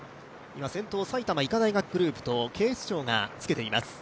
先頭、埼玉医科大学グループと警視庁がつけています。